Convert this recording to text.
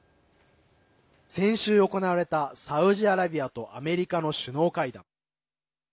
先週、行われたサウジアラビアとアメリカの首脳会談。